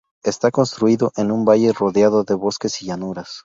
Está construido en un valle rodeado de bosques y llanuras.